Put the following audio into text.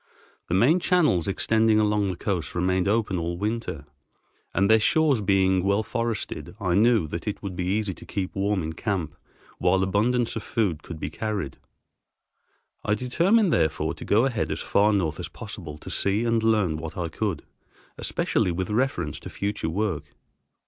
The main channels extending along the coast remain open all winter, and, their shores being well forested, I knew that it would be easy to keep warm in camp, while abundance of food could be carried. I determined, therefore, to go ahead as far north as possible, to see and learn what I could, especially with reference to future work.